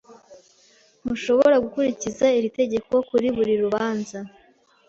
Ntushobora gukurikiza iri tegeko kuri buri rubanza.